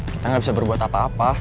kita nggak bisa berbuat apa apa